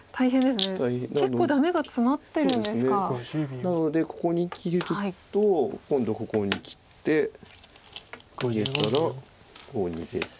なのでここに切ると今度ここに切って逃げたらこう逃げて。